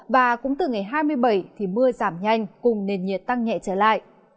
và cũng từ ngày hai mươi bảy thì mưa giảm nhanh cùng nền nhiệt tăng nhẹ trở lại